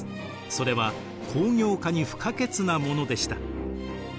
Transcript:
それは工業化に不可欠なものでした。